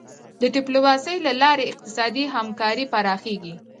د ډیپلوماسی له لارې اقتصادي همکاري پراخیږي.